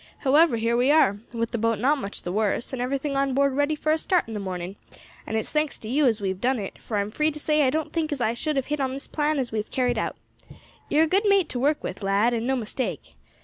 However, here we are, with the boat not much the worse, and everything on board ready for a start in the morning; and it's thanks to you as we have done it, for I am free to say as I don't think as I should have hit on this plan as we have carried out. You are a good mate to work with, lad, and no mistake.